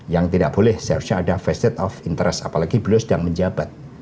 yang tidak boleh seharusnya ada vested of interest apalagi beliau sedang menjabat